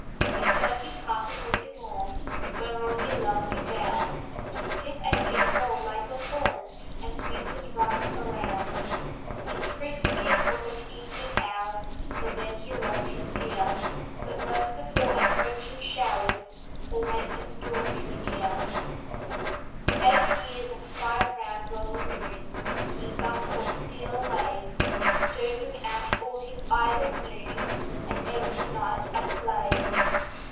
A Turkey carpet was his lawn, Whereon he loved to bound, [731 RAINBOW GOLD To skip and gambol like a fawn, And swing his rump around. His frisking was at evening hours, For then he lost his fear; But most before approaching showers, Or when a storm drew near. H4yy4/ Eight years and five round rolling moons He thus saw steal away, Dozing out all his idle noons, And every night at play.